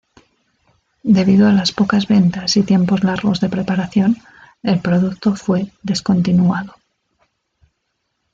Debido a las pocas ventas y tiempos largos de preparación, el producto fue descontinuado.